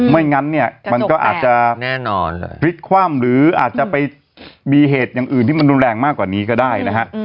ไม่งั้นเนี่ยมันก็อาจจะพลิกคว่ำหรืออาจจะไปมีเหตุอย่างอื่นที่มันรุนแรงมากกว่านี้ก็ได้นะฮะ